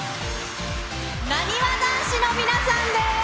なにわ男子の皆さんです。